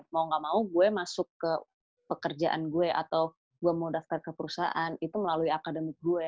mau gak mau gue masuk ke pekerjaan gue atau gue mau daftar ke perusahaan itu melalui akademik gue